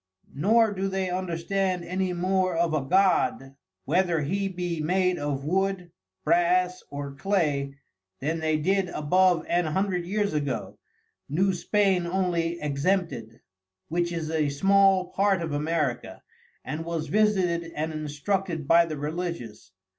Nor do they understand any more of a God, whether he be made of Wood, Brass or Clay, then they did above an hundred years ago, New Spain only exempted, which is a small part of America, and was visited and instructed by the Religious.